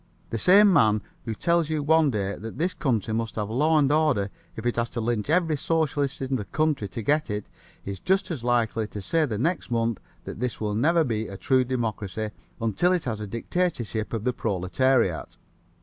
The same man who tells you one day that this country must have law and order if it has to lynch every Socialist in the country to get it is just as likely to say the next month that this will never be a true democracy until it has a dictatorship of the proletariat.